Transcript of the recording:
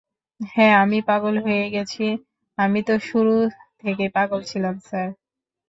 হ্যাঁ, আমি পাগল হয়ে গেছি আমি তো শুরু থেকেই পাগল ছিলাম স্যার।